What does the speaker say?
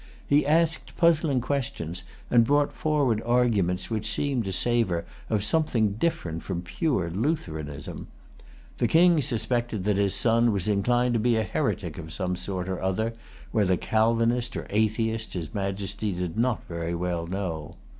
He asked puzzling questions, and brought forward arguments which seemed to savor of something different from pure Lutheranism. The King suspected that his son was inclined to be a heretic of some sort or other, whether Calvinist or Atheist his Majesty did not very well know.